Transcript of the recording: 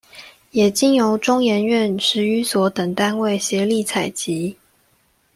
也經由中研院史語所等單位協力採集